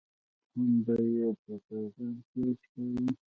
هم به یې په پیغام سوچ کوي.